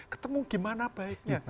ketemu gimana baiknya